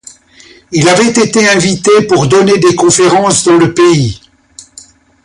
Il avait été invité pour donner des conférences dans le pays.